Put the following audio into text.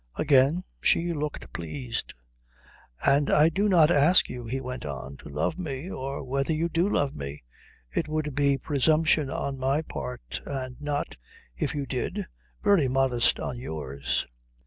Again she looked pleased. "And I do not ask you," he went on, "to love me, or whether you do love me. It would be presumption on my part, and not, if you did, very modest on yours.